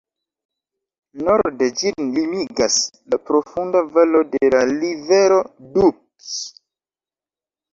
Norde ĝin limigas la profunda valo de la rivero Doubs.